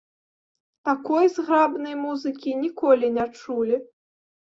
Такой зграбнай музыкі ніколі не чулі.